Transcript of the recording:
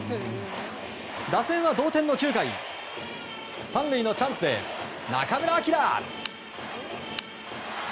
打線は同点の９回３塁のチャンスで中村晃。